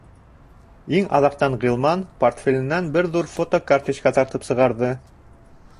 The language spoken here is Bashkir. Иң аҙаҡтан Ғилман портфеленән бер ҙур фотокарточка тартып сығарҙы.